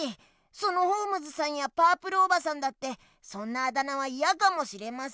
そのホームズさんやパープルおばさんだってそんなあだ名はいやかもしれません。